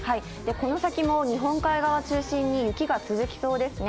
この先も日本海側中心に、雪が続きそうですね。